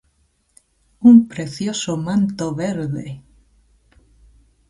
Un precioso manto verde!